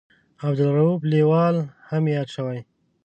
عبدالرووف لیوال هم یاد شوی.